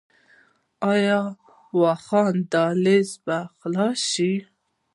آیا واخان دهلیز به خلاص شي؟